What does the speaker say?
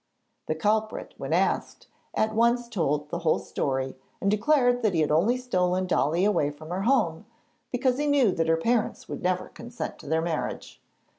The culprit, when asked, at once told the whole story and declared that he had only stolen Dolly away from her home because he knew that her parents would never consent to their marriage.